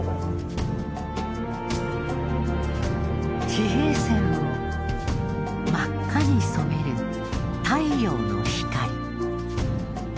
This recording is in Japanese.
地平線を真っ赤に染める太陽の光。